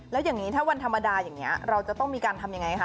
แล้วอย่างนี้ถ้าวันธรรมดาอย่างนี้เราจะต้องมีการทำยังไงคะ